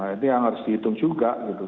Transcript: itu yang harus dihitung juga gitu